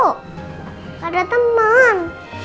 gak ada teman